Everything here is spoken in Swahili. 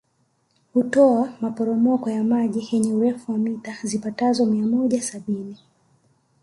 Hutoa maporomoko ya maji yenye urefu wa mita zipatazo mia moja sabini